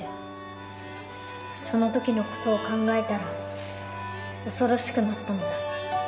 その時の事を考えたら恐ろしくなったのだ。